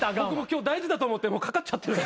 今日大事だと思ってかかっちゃってる。